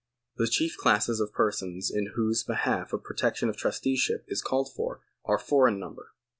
The chief classes of persons in whose behalf the protection of trusteeship is called for are four in number.